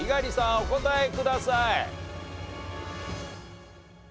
お答えください。